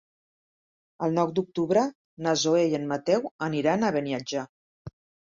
El nou d'octubre na Zoè i en Mateu aniran a Beniatjar.